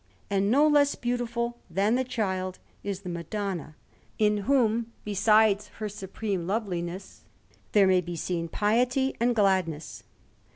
And no less beautiful than the Child is the Madonna, in whom, besides her supreme loveliness, there may be seen piety and gladness.